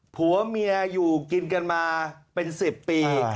ผัวเมียอยู่กินกันมาเป็น๑๐ปี